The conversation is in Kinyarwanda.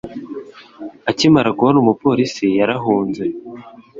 Akimara kubona umupolisi yarahunze